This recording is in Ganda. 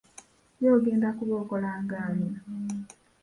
Ye ogenda kuba okola ng'ani?